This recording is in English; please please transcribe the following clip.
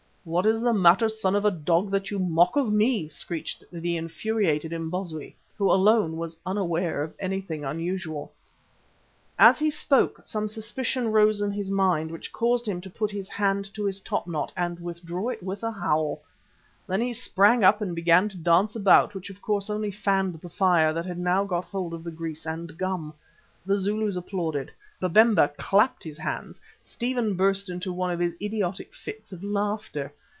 "What is the matter, son of a dog, that you make a mock of me?" screeched the unfuriated Imbozwi, who alone was unaware of anything unusual. As he spoke some suspicion rose in his mind which caused him to put his hand to his top knot, and withdraw it with a howl. Then he sprang up and began to dance about, which of course only fanned the fire that had now got hold of the grease and gum. The Zulus applauded; Babemba clapped his hands; Stephen burst into one of his idiotic fits of laughter.